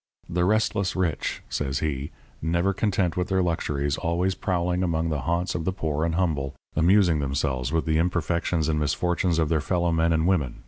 'The restless rich,' says he, 'never content with their luxuries, always prowling among the haunts of the poor and humble, amusing themselves with the imperfections and misfortunes of their fellow men and women.